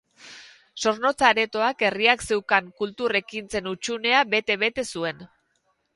Zornotza Aretoak herriak zeukan kultur ekintzen hutsunea bete bete zuen.